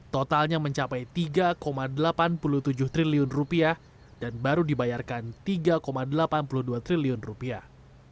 totalnya mencapai tiga delapan puluh tujuh triliun rupiah dan baru dibayarkan tiga delapan puluh dua triliun rupiah